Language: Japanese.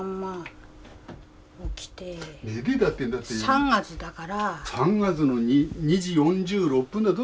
３月だから。